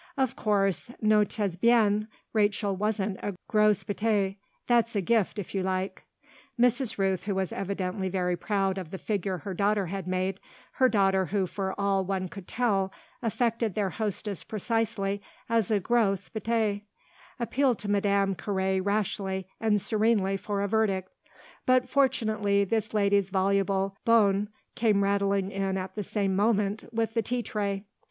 Of course, notez bien, Rachel wasn't a grosse bête: that's a gift if you like!" Mrs. Rooth, who was evidently very proud of the figure her daughter had made her daughter who for all one could tell affected their hostess precisely as a grosse bête appealed to Madame Carré rashly and serenely for a verdict; but fortunately this lady's voluble bonne came rattling in at the same moment with the tea tray.